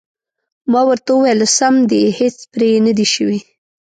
ما ورته وویل: سم دي، هېڅ پرې نه دي شوي.